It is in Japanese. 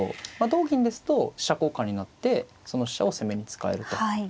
同銀ですと飛車交換になってその飛車を攻めに使えると。